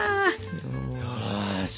よし！